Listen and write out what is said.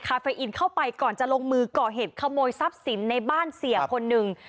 เฟอินเข้าไปก่อนจะลงมือก่อเหตุขโมยทรัพย์สินในบ้านเสียคนหนึ่ง